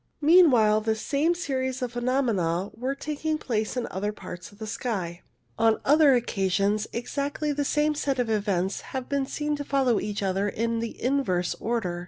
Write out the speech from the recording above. Meanwhile the same series of phenomena were taking place in other parts of the sky. 38 CIRRUS On other occasions exactly the same set of events have been seen to follow each other in the inverse order.